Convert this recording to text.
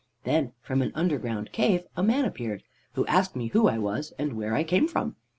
Then from an underground cave a man appeared, who asked me who I was and where I came from.